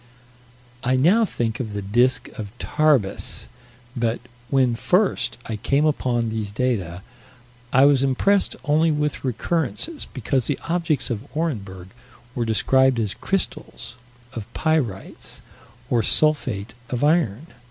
I now think of the disk of Tarbes, but when first I came upon these data I was impressed only with recurrence, because the objects of Orenburg were described as crystals of pyrites, or sulphate of iron.